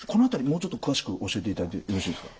もうちょっと詳しく教えていただいてよろしいですか？